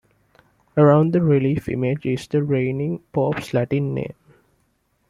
Around the relief image is the reigning Pope's Latin name.